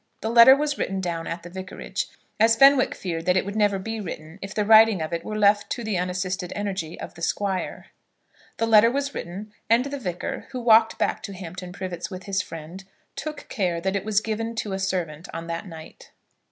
The letter was written down at the Vicarage, as Fenwick feared that it would never be written if the writing of it were left to the unassisted energy of the Squire. The letter was written, and the Vicar, who walked back to Hampton Privets with his friend, took care that it was given to a servant on that night.